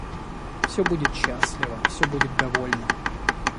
Все будет счастливо, все будет довольно.